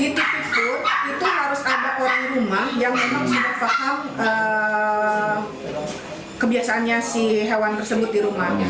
jadi tipe itu itu harus ada orang rumah yang memang sudah paham kebiasaannya si hewan tersebut di rumah